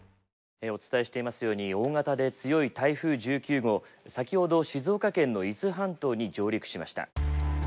お伝えしていますように大型で強い台風１９号先ほど静岡県の伊豆半島に上陸しました。